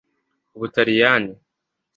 Ubutaliyaniy